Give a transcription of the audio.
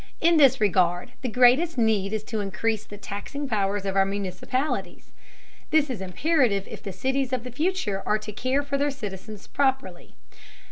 In this regard the greatest need is to increase the taxing powers of our municipalities. This is imperative if the cities of the future are to care for their citizens properly.